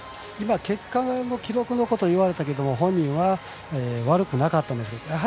結果や記録のことを言われたけど、本人は悪くなかったと。